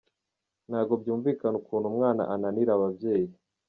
Ntago byumvikana ukuntu umwana ananira ababyeyi.